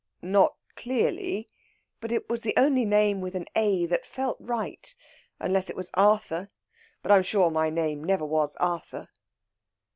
"Not clearly. But it was the only name with an 'A' that felt right. Unless it was Arthur, but I'm sure my name never was Arthur!"